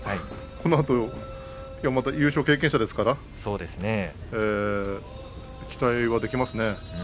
このあとまた優勝経験者ですから期待はできますね。